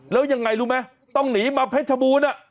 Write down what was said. แล้วยังไงรู้ไหมต้องหนีมาเพชรบูรณ์